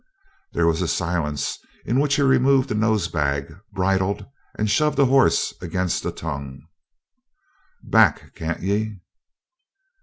There was a silence in which he removed a nose bag, bridled and shoved a horse against the tongue. "Back, can't ye!"